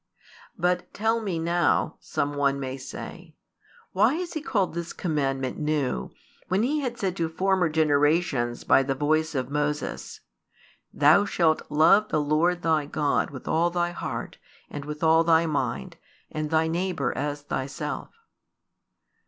"But tell me now,' some one may say, "why He has called this commandment new, when He had said to former generations by the voice of Moses: Thou shalt love the Lord thy God with all thy heart and with all thy mind, and thy neighbour as thyself.